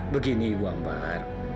begini ibu ambar